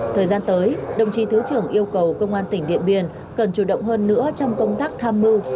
thời gian tới đồng chí thứ trưởng yêu cầu công an tỉnh điện biên cần chủ động hơn nữa trong công tác tham mưu